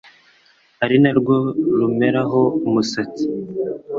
ari narwo rumeraho umusatsi,